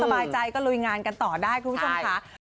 สบายใจก็ลุยงานกันต่อได้คุณผู้ชมค่ะ